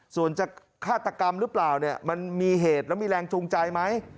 ส่วนจะฆาตกรรมหรือเปล่าเนี่ยมันมีเหตุแล้วมีแรงจูงใจไหม